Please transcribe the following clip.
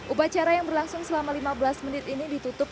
upacara yang berlangsung selama lima belas menit ini ditutup